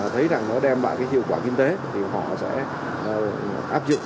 thấy rằng nó đem lại cái hiệu quả kinh tế thì họ sẽ áp dụng